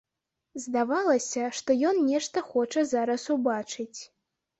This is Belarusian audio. Здавалася, што ён нешта хоча зараз убачыць.